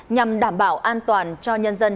nhằm đảm bảo an toàn cho nhân dân